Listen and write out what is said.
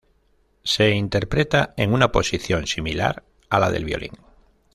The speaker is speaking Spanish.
Se interpreta en una posición similar a la del violín.